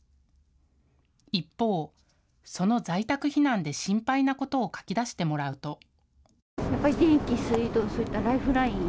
一方、その在宅避難で心配なことを書き出してもらうと。